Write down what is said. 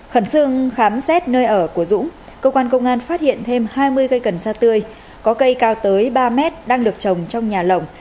khẩn xương khám xét nơi ở của dũng công an phát hiện thêm hai mươi cây cần sa tươi có cây cao tới ba m đang được trồng trong nhà lồng